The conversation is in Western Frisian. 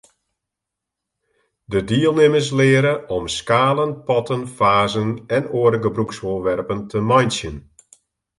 De dielnimmers leare om skalen, potten, fazen en oare gebrûksfoarwerpen te meitsjen.